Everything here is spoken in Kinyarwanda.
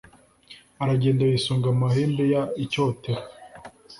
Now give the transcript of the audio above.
aragenda yisunga amahembe y icyotero